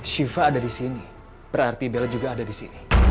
shiva ada di sini berarti belle juga ada di sini